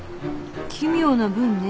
奇妙な文ね。